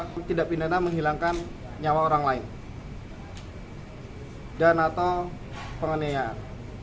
kita tidak pindahkan menghilangkan nyawa orang lain dan atau penganiayaan